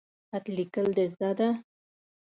خط لیکل د زده ده؟